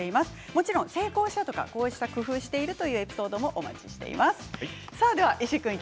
もちろん成功した、こんな工夫をしているというエピソードもお待ちしています。